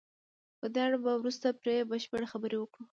په دې اړه به وروسته پرې بشپړې خبرې وکړو.